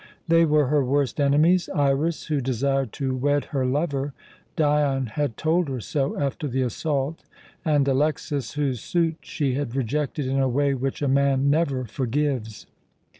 They were her worst enemies: Iras, who desired to wed her lover Dion had told her so after the assault and Alexas, whose suit she had rejected in a way which a man never forgives.